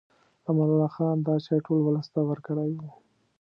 امان الله خان دا چای ټول ولس ته ورکړی و.